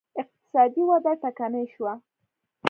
اقتصادي وده ټکنۍ شوه